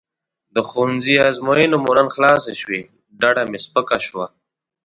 د ښوونځي ازموینې مو نن خلاصې شوې ډډه مې سپکه شوه.